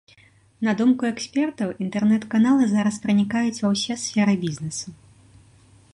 На думку экспертаў, інтэрнэт-каналы зараз пранікаюць ва ўсе сферы бізнесу.